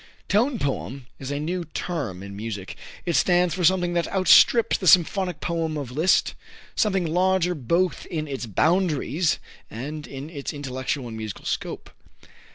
Tone poem is a new term in music. It stands for something that outstrips the symphonic poem of Liszt, something larger both in its boundaries and in its intellectual and musical scope.